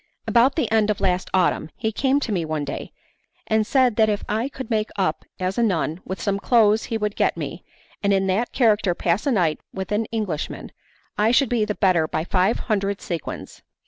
About the end of last autumn he came to me one day, and said that if I could make up as a nun with some clothes he would get me, and in that character pass a night with an Englishman, I should be the better by five hundred sequins.